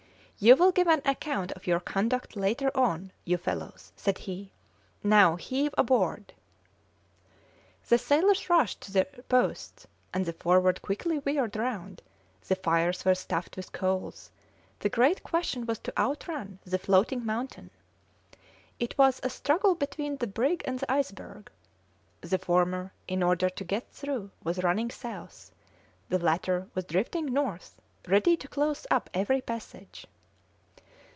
"You will give an account of your conduct later on, you fellows," said he. "Now heave aboard!" The sailors rushed to their posts, and the Forward quickly veered round; the fires were stuffed with coals; the great question was to outrun the floating mountain. It was a struggle between the brig and the iceberg. The former, in order to get through, was running south; the latter was drifting north, ready to close up every passage.